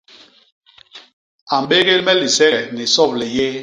A mbégél me lisege ni soble yé.